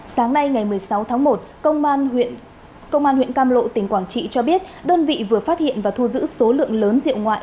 sáng nay ngày một mươi sáu tháng một công an huyện cam lộ tỉnh quảng trị cho biết đơn vị vừa phát hiện và thu giữ số lượng lớn rượu ngoại